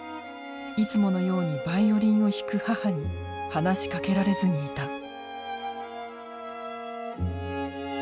いつものようにバイオリンを弾く母に話しかけられずにいた。